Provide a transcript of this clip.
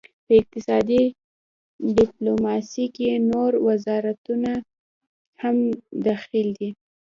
په اقتصادي ډیپلوماسي کې نور وزارتونه هم دخیل دي